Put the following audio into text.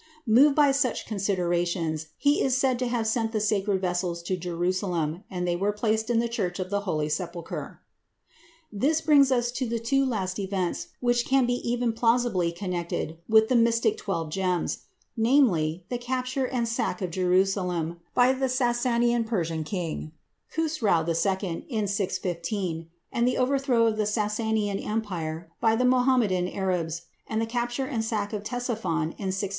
Moved by such considerations, he is said to have sent the "sacred vessels" to Jerusalem, and they were placed in the Church of the Holy Sepulchre. This brings us to the last two events which can be even plausibly connected with the mystic twelve gems,—namely, the capture and sack of Jerusalem by the Sassanian Persian king, Khusrau II, in 615, and the overthrow of the Sassanian Empire by the Mohammedan Arabs, and the capture and sack of Ctesiphon, in 637.